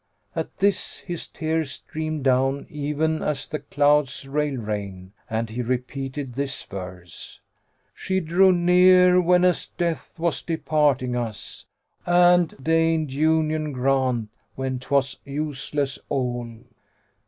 At this his tears streamed down even as the clouds rail rain, and he repeated this verse, "She drew near whenas death was departing us, * And deigned union grant when twas useless all."